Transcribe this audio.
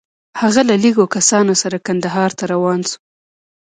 هغه له لږو کسانو سره کندهار ته روان شو.